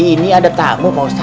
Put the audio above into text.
ini ada tamu pak ustaz